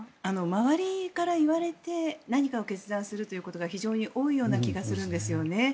周りから言われて何かを決断するということが非常に多い気がするんですよね。